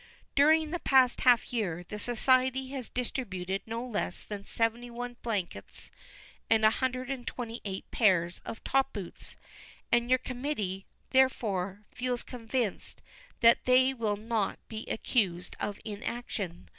"During the past half year, the society has distributed no less than 71 blankets and 128 pairs of top boots; and your committee, therefore, feel convinced that they will not be accused of inaction.